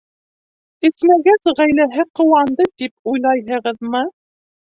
Эсмәгәс, ғаиләһе ҡыуанды, тип уйлайһығыҙмы?